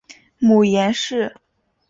母颜氏。